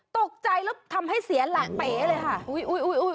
ตกใจแล้วทำให้เสียหลักเป๋เลยค่ะ